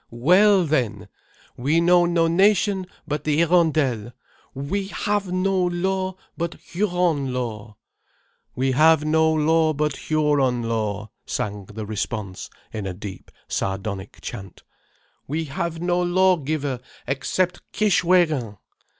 Well, then! We know no nation but the Hirondelles. WE HAVE NO LAW BUT HURON LAW!" "We have no law but Huron law!" sang the response, in a deep, sardonic chant. "WE HAVE NO LAWGIVER EXCEPT KISHWÉGIN."